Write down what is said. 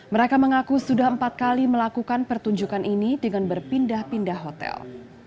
mereka mengaku sudah empat kali melakukan pertunjukan ini dengan berpindah pindah hotel